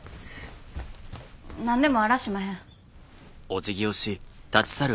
何でもあらしまへん。